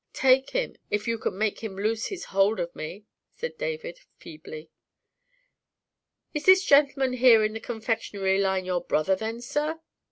"Take him, if you can make him loose his hold of me," said David, feebly. "Is this gentleman here in the confectionery line your brother, then, sir?"